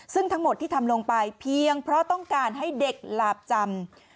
ซึ่งทั้งหมดที่ทำลงไปเพียงเพราะต้องการให้เด็กหลาบจำ